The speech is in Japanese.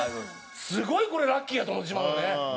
すごいこれラッキーやと思ってしまうよね。